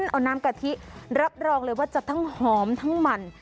เอาน้ำกะทิรับรองเลยว่าจะทั้งหอมทั้งมัน